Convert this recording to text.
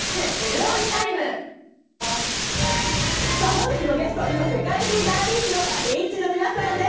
本日のゲストは今、世界的大人気のＩＴＺＹの皆さんです。